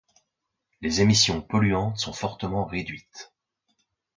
Les émissions polluantes sont fortement réduites.